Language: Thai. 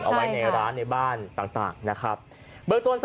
เอาไว้ในร้านในบ้านต่าง